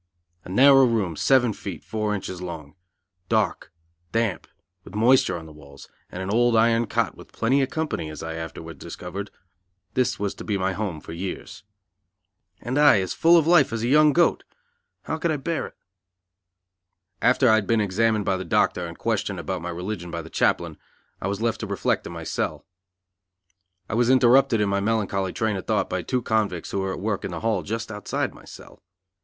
A narrow room, seven feet, four inches long; dark, damp, with moisture on the walls, and an old iron cot with plenty of company, as I afterwards discovered this was to be my home for years. And I as full of life as a young goat! How could I bear it? After I had been examined by the doctor and questioned about my religion by the chaplain, I was left to reflect in my cell. I was interrupted in my melancholy train of thought by two convicts who were at work in the hall just outside my cell.